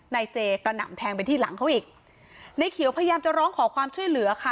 นายเจกระหน่ำแทงไปที่หลังเขาอีกนายเขียวพยายามจะร้องขอความช่วยเหลือค่ะ